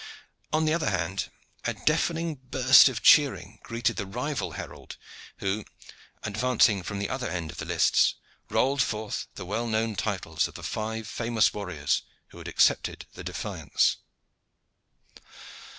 On the other hand, a deafening burst of cheering greeted the rival herald, who, advancing from the other end of the lists, rolled forth the well known titles of the five famous warriors who had accepted the defiance.